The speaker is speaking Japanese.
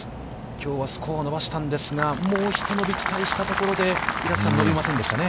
きょうはスコアを伸ばしたんですが、もう一つ、期待したところで、伸びませんでしたね。